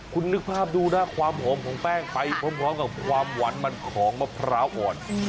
คุณนึกภาพดูนะความหอมของแป้งไปพร้อมกับความหวานมันของมะพร้าวอ่อน